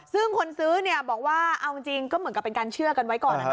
ซึ่งคนซื้อเนี่ยบอกว่าเอาจริงก็เหมือนกับเป็นการเชื่อกันไว้ก่อน